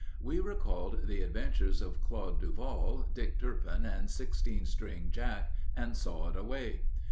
We recalled the adventures of Claude Duval, Dick Turpin, and Sixteen string Jack, and sawed away.